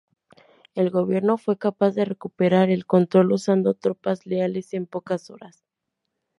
El gobierno fue capaz de recuperar el control usando tropas leales en pocas horas.